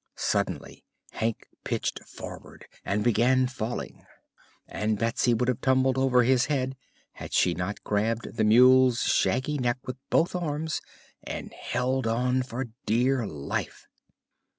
Suddenly Hank pitched forward and began falling and Betsy would have tumbled over his head had she not grabbed the mule's shaggy neck with both arms and held on for dear life.